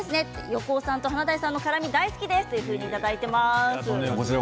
横尾さんと華大さんの絡み大好きですといただいております。